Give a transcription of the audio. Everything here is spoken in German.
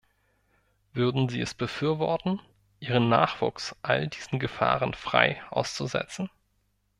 Würden Sie es befürworten, ihren Nachwuchs all diesen Gefahren frei auszusetzen?